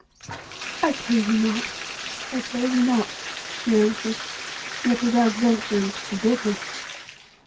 "I pray thee not, I pray thee not," she answered, yet without venturing to forbid him.